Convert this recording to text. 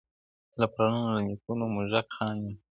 له پلرونو له نيكونو موږك خان يم-